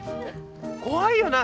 怖いよな